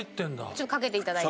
ちょっとかけて頂いて。